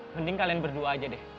mending kalian berdua aja deh